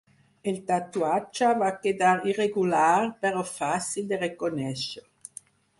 El tatuatge va quedar irregular, però fàcil de reconèixer.